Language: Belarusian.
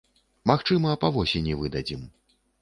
Магчыма, па восені выдадзім.